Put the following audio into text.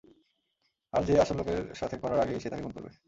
আর সে আসল লোকের সাথে করার আগেই, সে তাকে খুন করবে।